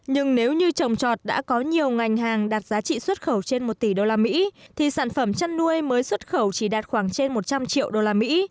nhưng nếu như trồng trọt đã có nhiều ngành hàng đạt giá trị xuất khẩu trên một tỷ đô la mỹ thì sản phẩm chăn nuôi mới xuất khẩu chỉ đạt khoảng trên một trăm linh triệu đô la mỹ